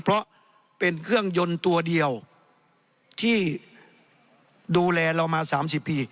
เพราะเป็นเครื่องยนต์ตัวเดียวที่ดูแลเรามา๓๐ปี